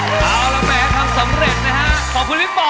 เฉลยใส่เสื้อเบอร์๑๘ครับ